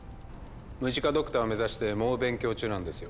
ムジカドクターを目指して猛勉強中なんですよ。